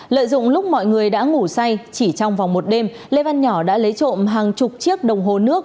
lợi dụng lúc mọi người đã ngủ say chỉ trong vòng một đêm lê văn nhỏ đã lấy trộm hàng chục chiếc đồng hồ nước